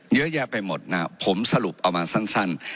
เยอะแยะไปหมดนะผมสรุปเอามาสั้น